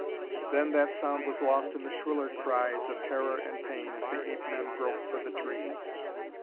And then that sound was lost in the shriller cries of terror and pain as the ape men broke for the trees.